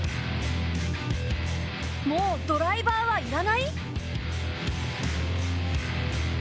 もうドライバーはいらない？